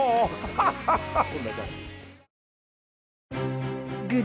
ハハハハッ！